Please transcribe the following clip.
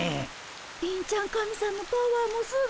貧ちゃん神さんのパワーもすごいねえ。